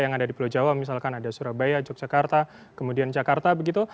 yang ada di pulau jawa misalkan ada surabaya yogyakarta kemudian jakarta begitu